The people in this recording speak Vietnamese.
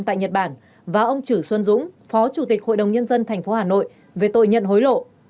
tại nhật bản và ông trữ xuân dũng phó chủ tịch ubnd tp hà nội về tội nhận hối lộ